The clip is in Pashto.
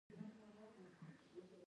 بادام د افغانستان د صادراتو برخه ده.